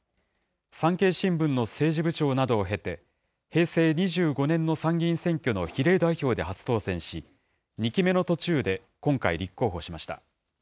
産経新聞の政治部長などを経て、平成２５年の参議院選挙の比例代表で初当選し、２期目の途中で今回立候補しました。